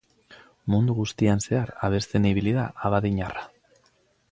Mundu guztian zehar abesten ibili da abadiñarra.